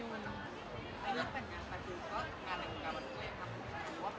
แล้วก็แต่งงานไปอยู่ก็งานอยู่กับมันด้วยครับ